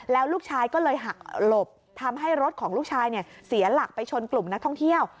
แล้วลูกชายก็เลยหักหลบทำให้รถของลูกชายเสียหลักไปชนกลุ่มนักท่องเที่ยว